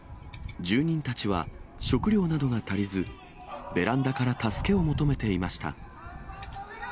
住人たちは、食料などが足りず、ベランダから助けを求めていました。